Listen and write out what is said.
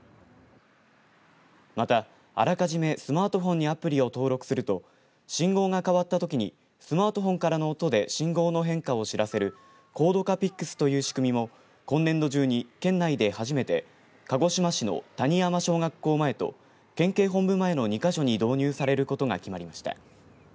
また、あらかじめスマートフォンにアプリを登録すると信号が変わったときにスマートフォンからの音で信号の変化を知らせる高度化ＰＩＣＳという仕組みも今年度中に県内で初めて鹿児島市の谷山小学校前と県警本部前の２か所に導入されることが決まりました。